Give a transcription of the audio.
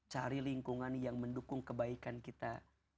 cari lingkungan yang mendukung kebaikan kita